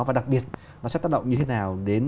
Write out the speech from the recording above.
và đặc biệt nó sẽ tác động như thế nào đến